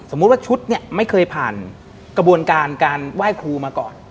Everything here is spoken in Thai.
ว่าชุดเนี่ยไม่เคยผ่านกระบวนการการไหว้ครูมาก่อน